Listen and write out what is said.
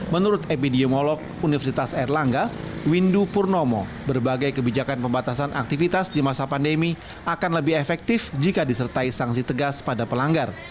menurut epidemiolog universitas erlangga windu purnomo berbagai kebijakan pembatasan aktivitas di masa pandemi akan lebih efektif jika disertai sanksi tegas pada pelanggar